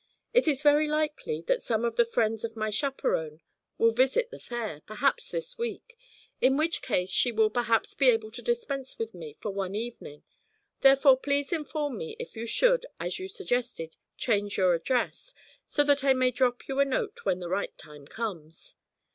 It is very likely that some of the friends of my chaperon will visit the Fair, perhaps this week, in which case she will perhaps be able to dispense with me for one evening; therefore please inform me if you should, as you suggested, change your address, so that I may drop you a note when the right time comes.